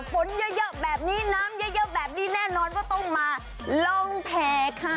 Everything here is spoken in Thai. ฝนเยอะแบบนี้น้ำเยอะแบบนี้แน่นอนว่าต้องมาลองแผ่ค่ะ